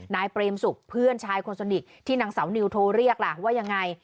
นายเปรมศุกร์เพื่อนชายคนสนิทที่นางสาวนิวโทรเรียกล่ะว่ายังไง